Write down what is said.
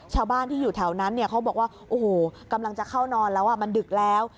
ชาวบ้านที่อยู่แถวนั้นเขาบอกว่าโอ้โหกำลังจะเข้านอนแล้วมันดึกแล้ว